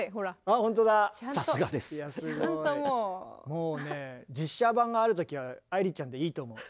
もうね実写版がある時は愛理ちゃんでいいと思う。